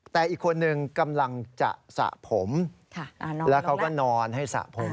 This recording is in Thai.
แต่อีกคนนึงกำลังจะสระผมแล้วเขาก็นอนให้สระผม